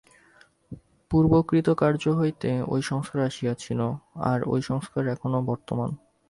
পূর্বকৃত কার্য হইতে ঐ সংস্কার আসিয়াছিল, আর ঐ সংস্কার এখনও বর্তমান।